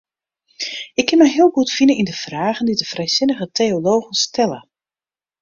Ik kin my heel goed fine yn de fragen dy't frijsinnige teologen stelle.